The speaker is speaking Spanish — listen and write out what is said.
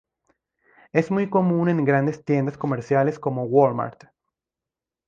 Es muy común en grandes tiendas comerciales como Wal Mart.